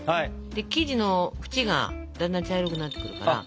生地の縁がだんだん茶色くなってくるから。